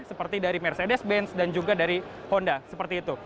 seperti dari mercedes benz dan juga dari honda seperti itu